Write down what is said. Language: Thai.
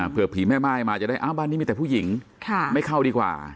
เผื่อผีแม่ม่ายมาจะได้บ้านนี้มีแต่ผู้หญิงไม่เข้าดีกว่า